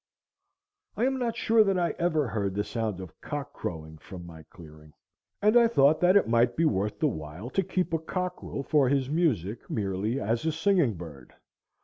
I am not sure that I ever heard the sound of cock crowing from my clearing, and I thought that it might be worth the while to keep a cockerel for his music merely, as a singing bird.